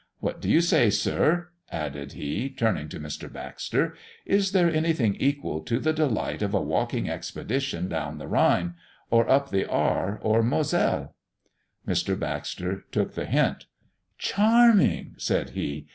What do you say, Sir," added he, turning to Mr. Baxter; "Is there anything equal to the delight of a walking expedition down the Rhine, or up the Ahr or Mosel?" Mr. Baxter took the hint. "Charming!" said he.